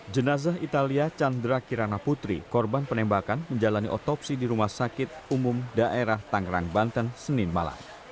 jenazah italia chandra kirana putri korban penembakan menjalani otopsi di rumah sakit umum daerah tangerang banten senin malam